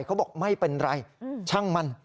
เขาบอกไม่เป็นไรช่างมัน